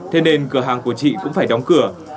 thế nên cửa hàng của chị cũng phải đóng cửa